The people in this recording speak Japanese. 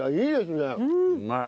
うまい。